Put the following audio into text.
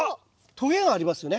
とげがありますよね。